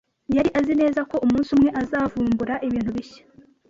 Yari azi neza ko umunsi umwe azavumbura ibintu bishya.